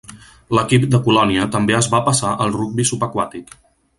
L'equip de Colònia també es va passar al rugbi subaquàtic.